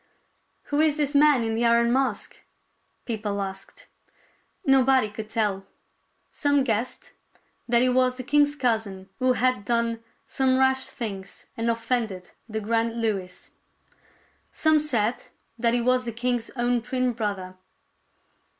" Who is this man in the iron mask ?" people asked. Nobody could tell. Some guessed that he was the king's cousin who had done some rash things and offended the grand Louis. Some said that he was the king's own twin brother.